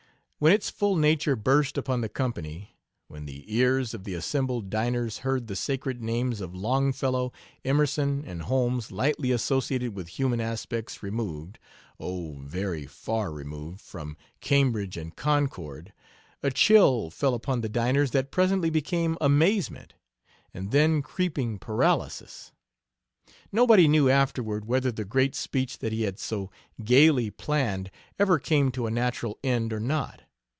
When its full nature burst upon the company when the ears of the assembled diners heard the sacred names of Longfellow, Emerson, and Holmes lightly associated with human aspects removed oh, very far removed from Cambridge and Concord, a chill fell upon the diners that presently became amazement, and then creeping paralysis. Nobody knew afterward whether the great speech that he had so gaily planned ever came to a natural end or not.